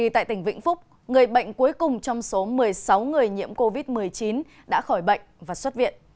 tại tỉnh vĩnh phúc người bệnh cuối cùng trong số một mươi sáu người nhiễm covid một mươi chín đã khỏi bệnh và xuất viện